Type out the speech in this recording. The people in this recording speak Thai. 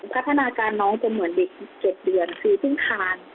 พัฒนาการน้องเป็นเหมือนเด็ก๗เดือนคือเพิ่งคาน